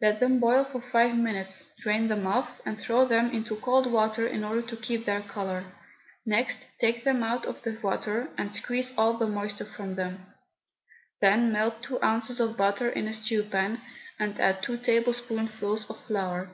Let them boil for five minutes, drain them off, and throw them into cold water in order to keep their colour. Next take them out of the water and squeeze all the moisture from them; then melt two ounces of butter in a stew pan, and add two tablespoonfuls of flour.